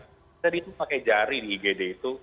kita itu pakai jari di igd itu